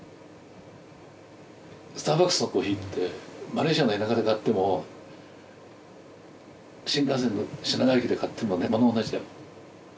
スターバックスのコーヒーってマレーシアの田舎で買っても新幹線の品川駅で買ってもものは同じだよ。